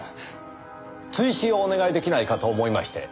追試をお願い出来ないかと思いまして。